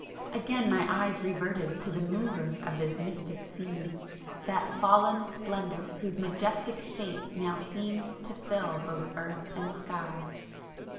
Again my eyes reverted to the Mover of this mystic scene,—that Fallen Splendour whose majestic shape now seemed to fill both earth and sky.